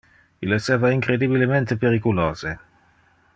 Il esseva incredibilemente periculose.